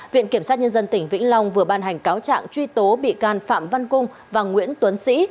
viện kiểm sát nhân dân tỉnh vĩnh long vừa ban hành cáo trạng truy tố bị can phạm văn cung và nguyễn tuấn sĩ